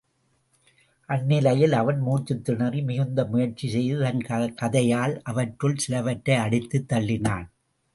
அந்நிலையில் அவன் மூச்சுத் திணறி, மிகுந்த முயற்சி செய்து தன் கதையால் அவற்றுள் சிலவற்றை அடித்துத் தள்ளினான்.